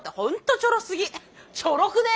ちょろくね？